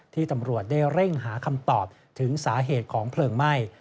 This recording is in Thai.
ตำรวจได้เร่งหาคำตอบถึงสาเหตุของเพลิงไหม้